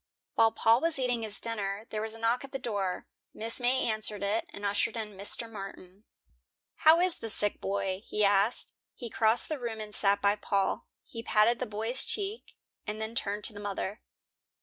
While Paul was eating his dinner, there was a knock at the door. Mrs. May answered it, and ushered in Mr. Martin. "How is the sick boy?" he asked. He crossed the room and sat by Paul. He patted the boy's cheek, and then turned to the mother.